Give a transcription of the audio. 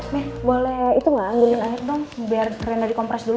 men boleh itu gak anggilin air dong biar reina dikompres dulu